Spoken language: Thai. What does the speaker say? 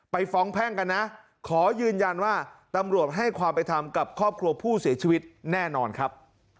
ฟ้องแพ่งกันนะขอยืนยันว่าตำรวจให้ความไปทำกับครอบครัวผู้เสียชีวิตแน่นอนครับ